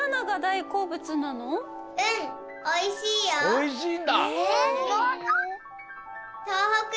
おいしいんだ。